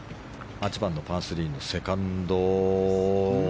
８番のパー３のセカンド。